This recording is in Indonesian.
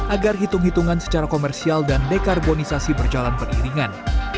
agar hitung hitungan secara komersial dan dekarbonisasi berjalan beriringan